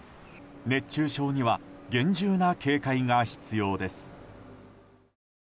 熱中症には厳重な警戒が必要です。